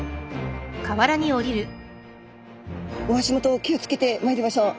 お足元気を付けてまいりましょう。